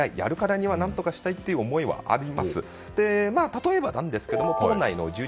やるからには何とかしたいという思いはある。